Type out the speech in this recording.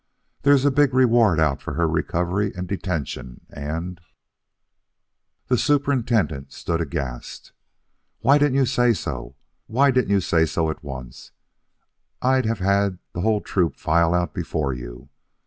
There is a big reward out for her recovery and detention, and " The superintendent stood aghast. "Why didn't you say so? Why didn't you say so at once? I'd have had the whole troop file out before you.